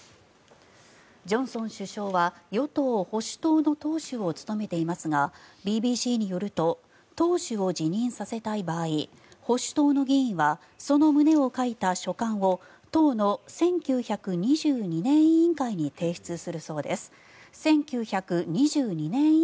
ジョンソン首相は与党・保守党の党首を務めていますがＢＢＣによると党首を辞任させたい場合保守党の議員はその旨を書いた書簡を党の１９２２年委員会に提出するそうです。